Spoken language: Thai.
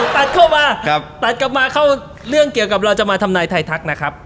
ตัดเข้ามาตัดกลับมาเข้าเรื่องเกี่ยวกับเราจะมาทำนายไทยทักนะครับ